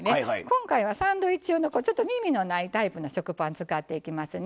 今回はサンドイッチ用のみみのないタイプの食パン使っていきますね。